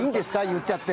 言っちゃって。